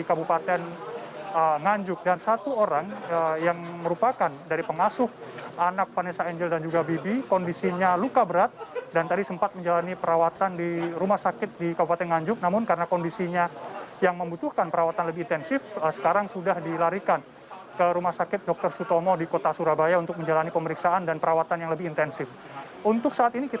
ada juga satu orang yang merupakan pengasuh anak dari pasangan tersebut yang juga berada di posisi kedua dari kendaraan tersebut